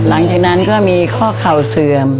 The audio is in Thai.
หลังจากนั้นก็มีข้อเข่าเสื่อม